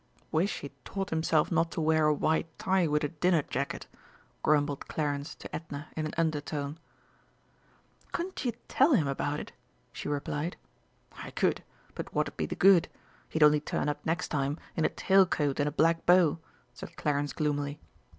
"Wish he'd taught himself not to wear a white tie with a dinner jacket!" grumbled Clarence to Edna in an undertone. "Couldn't you tell him about it?" she replied. "I could but what'd be the good? He'd only turn up next time in a tail coat and a black bow!" said Clarence gloomily.